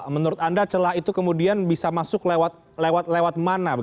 menurut anda celah itu kemudian bisa masuk lewat mana